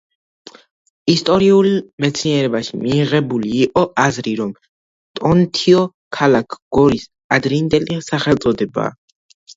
ისტორიულ მეცნიერებაში მიღებული იყო აზრი, რომ ტონთიო ქალაქ გორის ადრინდელი სახელწოდებაა.